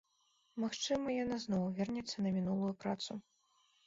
Магчыма, яна зноў вернецца на мінулую працу.